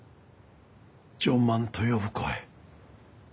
「ジョン万」と呼ぶ声。